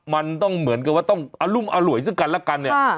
มันต้องเหมือนกับว่าต้องอรุมอร่วยซึ่งกันแล้วกันเนี่ย